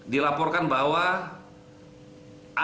dilaporkan bahwa dilaporkan bahwa